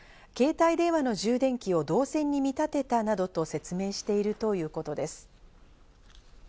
携帯電話の充電器を導線に見立てたなどと説明しているということです。